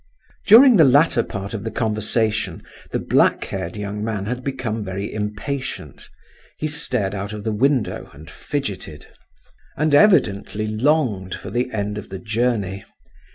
During the latter part of the conversation the black haired young man had become very impatient. He stared out of the window, and fidgeted, and evidently longed for the end of the journey.